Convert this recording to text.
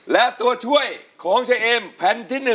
และตัวช่วยของจะเอ็มแผ่นที่๑ก็คือ